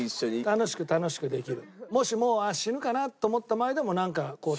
楽しく楽しくできる。